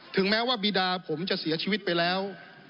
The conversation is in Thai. แม้ว่าบีดาผมจะเสียชีวิตไปแล้ว